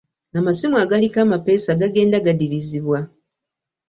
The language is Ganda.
Amasimu agaliko amapeesa gagenda gadibizibwa.